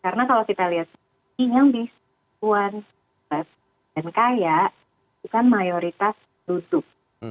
karena kalau kita lihat yang di sukuan dan kaya bukan mayoritas duduk